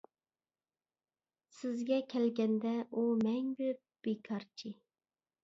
سىزگە كەلگەندە ئۇ مەڭگۈ «بىكارچى».